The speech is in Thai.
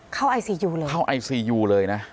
เข้าไอซียูเลยนะ